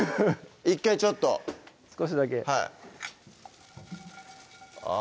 １回１回ちょっと少しだけあ